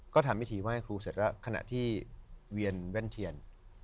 ก็ทำพิธีไหว้ครูเสร็จแล้วขณะที่เวียนแว่นเทียน